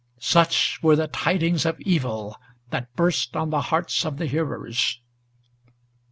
Such were the tidings of evil that burst on the hearts of the hearers.